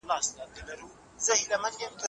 نوي نسل ته بايد د تېرو پېښو حقايق وويل سي.